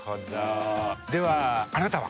ではあなたは？